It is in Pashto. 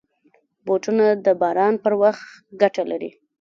بوټونه د باران پر وخت ګټه لري.